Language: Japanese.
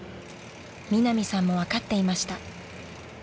［ミナミさんも分かっていました］